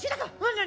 何？